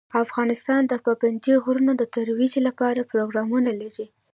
افغانستان د پابندي غرونو د ترویج لپاره پروګرامونه لري.